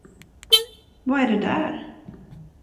Vad är det där?